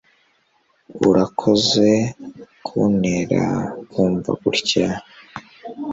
urakoze kuntera kumva gutya